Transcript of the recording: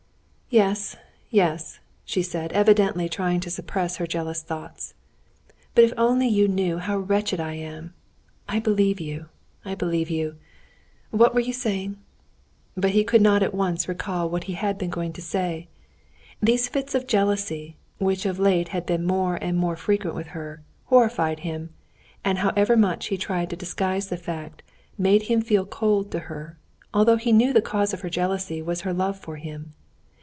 "Yes, yes," she said, evidently trying to suppress her jealous thoughts. "But if only you knew how wretched I am! I believe you, I believe you.... What were you saying?" But he could not at once recall what he had been going to say. These fits of jealousy, which of late had been more and more frequent with her, horrified him, and however much he tried to disguise the fact, made him feel cold to her, although he knew the cause of her jealousy was her love for him.